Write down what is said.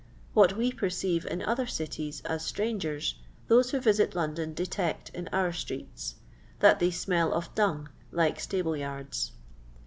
What we perceive in other cities, as strangers, those who yisit London detect in our streets — that they smell of dung like stable yards.